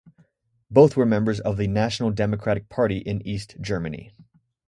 Both were members of the National Democratic Party in East Germany.